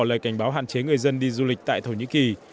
lời cảnh báo hạn chế người dân đi du lịch tại thổ nhĩ kỳ